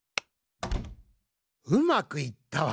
うまくいったわい。